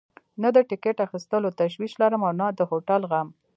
نه د ټکټ اخیستلو تشویش لرم او نه د هوټل غم.